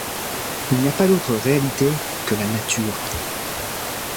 Il n’y a pas d’autre réalité que la nature.